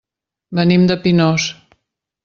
Venim de Pinós.